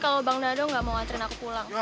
kalau bang nado gak mau anterin aku pulang